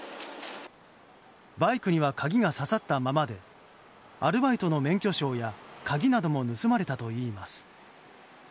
バイクには鍵が刺さったままでアルバイトの免許証や鍵なども盗まれたといいます。